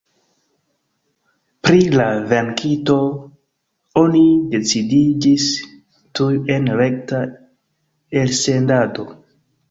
Pri la venkinto oni decidiĝis tuj en rekta elsendado.